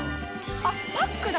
あっパックだ。